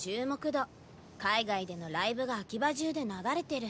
海外でのライブがアキバ中で流れてる。